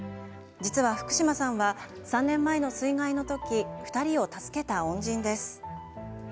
実は福島さんは３年前の水害の時２人を助けた恩人です。